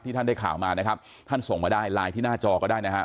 ท่านได้ข่าวมานะครับท่านส่งมาได้ไลน์ที่หน้าจอก็ได้นะฮะ